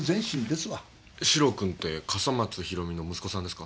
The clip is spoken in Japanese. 士郎君って笠松ひろみの息子さんですか？